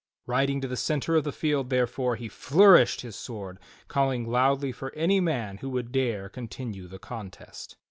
Riding to the centre of the field, therefore, he fiourished his sword calling loudly for any man who would dare continue the contest.